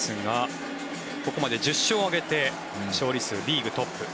ここまで１０勝を挙げて勝利数リーグトップ。